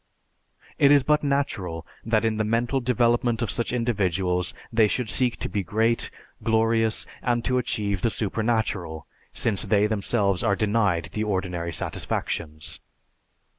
It is but natural that in the mental development of such individuals they should seek to be great, glorious, and to achieve the supernatural, since they, themselves, are denied the ordinary satisfactions.